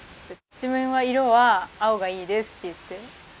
自分は色は青がいいですって言って。